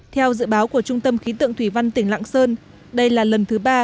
theo dự báo của trung tâm khí tượng thủy văn tỉnh lạng sơn đây là lần thứ ba